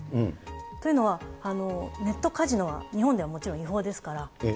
というのは、ネットカジノは日本ではもちろん違法ですから。